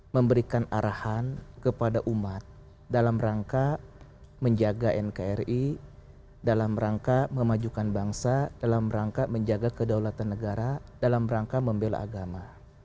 memberikan arahan kepada umat dalam rangka menjaga nkri dalam rangka memajukan bangsa dalam rangka menjaga kedaulatan negara dalam rangka membela agama